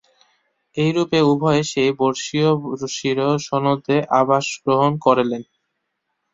এই রূপে উভয়ে সেই বর্ষীয়সীর সদনে আবাসগ্রহণ করিলেন।